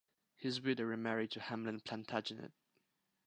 His widow remarried to Hamelin Plantagenet.